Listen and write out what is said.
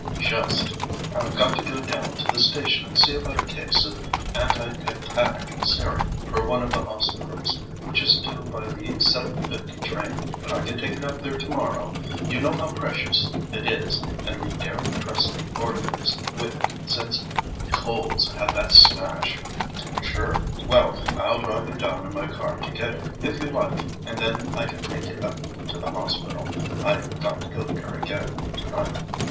"Just. I've got to go down to the station and see about a case of anti tetanic serum for one of the hospitals, which is due by the 7.50 train, but I can take it up there to morrow. You know how precious it is, and we daren't trust the orderlies with it since Coles had that smash." "To be sure. Well, I'll drive you down in my car to get it, if you like, and then I can take it up to the Hospital. I've got to go there again tonight."